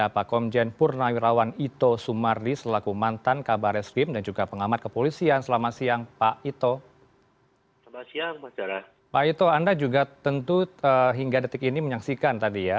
pak ito anda juga tentu hingga detik ini menyaksikan tadi ya